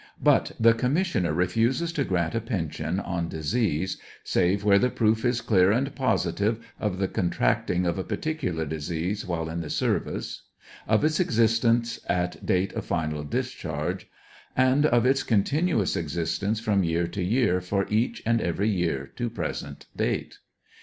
But the commissioner refuses to grant a pension on disease save where the proof is clear and positive of the contracting of a particular disease while in the service, of its existence at date of final discharge, and of its continuous existence from year to year for each and every year, to present date.